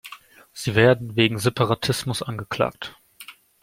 Sie werden wegen Separatismus angeklagt.